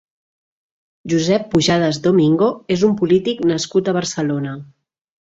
Josep Pujadas Domingo és un polític nascut a Barcelona.